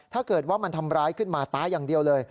ถ้าเกิดว่ามันทำร้ายขึ้นมาตายอย่างเดียวเลย